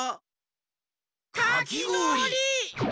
かきごおり！